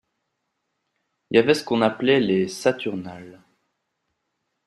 Y avait ce qu’on appelait les Saturnales.